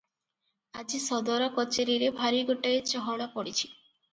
ଆଜି ସଦର କଚେରିରେ ଭାରି ଗୋଟାଏ ଚହଳ ପଡିଛି ।